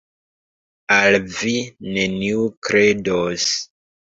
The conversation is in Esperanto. Al vi neniu kredos.